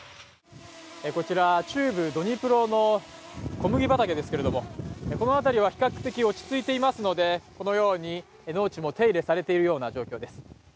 こちら中部ドニプロの小麦畑ですけれども、この辺りは比較的落ち着いていますのでこのように農地も手入れされているような状況です。